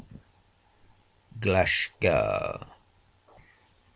GLASHGAR.